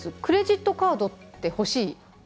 クレジットカードって欲しい？